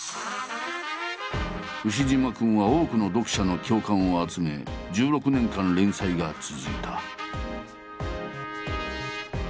「ウシジマくん」は多くの読者の共感を集め１６年間連載が続いた。